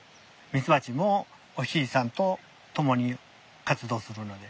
ミツバチもお日さんと共に活動するので。